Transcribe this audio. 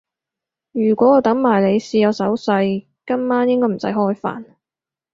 如果我等埋你試我手勢，今晚應該唔使開飯